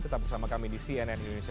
tetap bersama kami di cnn indonesia